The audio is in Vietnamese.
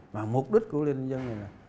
mà mục đích của lê thanh vân này là